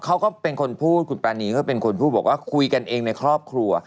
เขาก็เป็นคนพูดคุณปรานีก็เป็นคนพูดบอกว่าคุยกันเองในครอบครัว